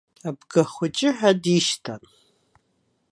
Абгахәыҷы ҳәа дишьҭан.